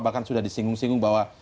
bahkan sudah disinggung singgung bahwa